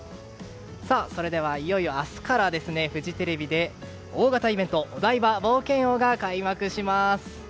それでは、いよいよ明日からフジテレビで大型イベントお台場冒険王が開幕します。